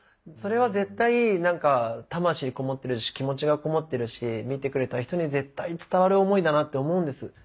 それは絶対何か魂こもってるし気持ちがこもってるし見てくれた人に絶対伝わる思いだなって思うんです。